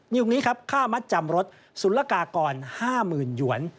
อยู่ตรงนี้ค่ามัดจำรสสุลกากร๕๐๐๐๐หยวน